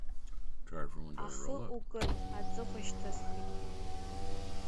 Ахы укын аҵыхәа шьҭысхит.